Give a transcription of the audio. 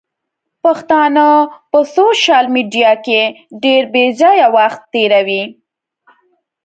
پښتانه په سوشل ميډيا کې ډېر بېځايه وخت تيروي.